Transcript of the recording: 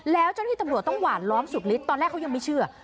แล้วเจ้าหน้าที่ตำรวจต้องหวานล้อมสุดฤทธิตอนแรกเขายังไม่เชื่อ